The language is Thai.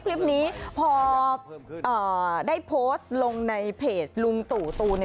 คลิปนี้พอได้โพสต์ลงในเพจลุงตู่ตูนเนี่ย